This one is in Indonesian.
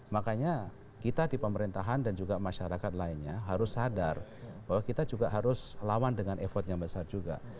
makanya kita di pemerintahan dan juga masyarakat lainnya harus sadar bahwa kita juga harus lawan dengan effort yang besar juga